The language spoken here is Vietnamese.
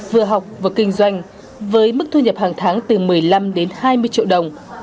vừa học vừa kinh doanh với mức thu nhập hàng tháng từ một mươi năm đến hai mươi triệu đồng